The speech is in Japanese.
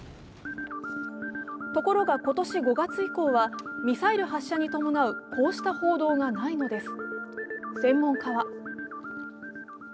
ところが今年５月以降はミサイル発射に伴うこうした報道がないのです。